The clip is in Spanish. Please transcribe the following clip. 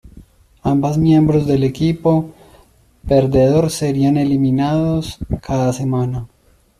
Ambas miembros del equipo perdedor serían eliminados cada semana.